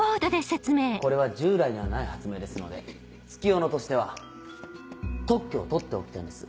これは従来にはない発明ですので月夜野としては特許を取っておきたいんです。